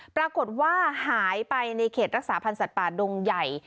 ปรากฏว่าหายไปในเขตรักษาพันธ์สัตว์ป่าดงใหญ่